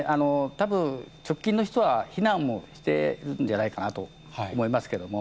たぶん、直近の人は避難もしているんじゃないかなと思いますけども。